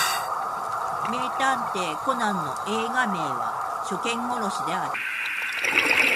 名探偵コナンの映画名は初見殺しである